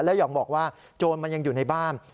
แล้วอย่างบอกว่าโจรมันยังอยู่ในบ้าน